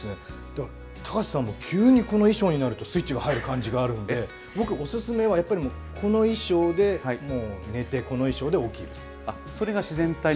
だから、高瀬さんも急にこの衣装になるとスイッチが入る感じがあるんで、僕、お勧めは、やっぱりこの衣装で寝て、この衣装で起きそれが自然体？